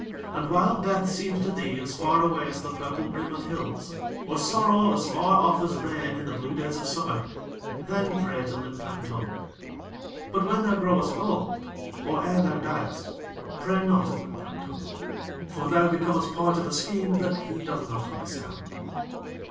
And while Death seems to thee as far away as the purple rim of hills; or sorrow as far off as rain in the blue days of summer, then pray to Limpang Tung. But when thou growest old, or ere thou diest, pray not of Limpang Tung, for thou becomest part of a scheme that he doth not understand.